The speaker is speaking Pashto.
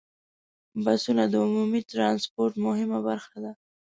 بسونه د عمومي ټرانسپورت مهمه برخه ده.